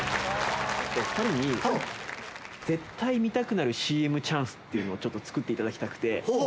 お２人に絶対見たくなるＣＭチャンスっていうのをちょっと作っていただきたくて。